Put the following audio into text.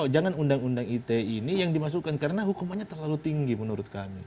jangan undang undang ite ini yang dimasukkan karena hukumannya terlalu tinggi menurut kami